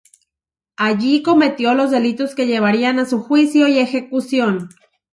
Allí cometió los delitos que llevarían a su juicio y ejecución.